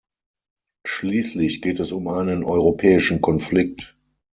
Schließlich geht es um einen europäischen Konflikt.